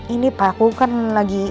ini pak aku kan lagi